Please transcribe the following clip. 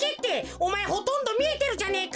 おまえほとんどみえてるじゃねえか。